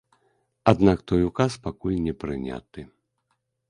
Аднак той указ пакуль не прыняты.